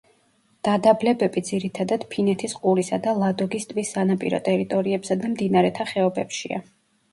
დადაბლებები ძირითადად ფინეთის ყურისა და ლადოგის ტბის სანაპირო ტერიტორიებსა და მდინარეთა ხეობებშია.